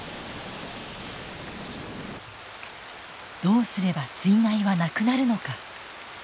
どうすれば水害はなくなるのか？